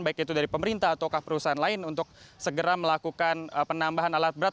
baik itu dari pemerintah atau perusahaan lain untuk segera melakukan penambahan alat berat